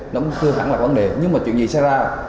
nó không hẳn là vấn đề nhưng mà chuyện gì sẽ ra